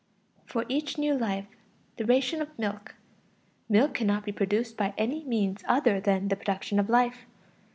For each new life, the ration of milk. Milk cannot be produced by any means other than the production of life.